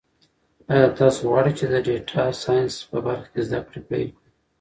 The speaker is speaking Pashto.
ایا تاسو غواړئ چې د ډیټا ساینس په برخه کې زده کړې پیل کړئ؟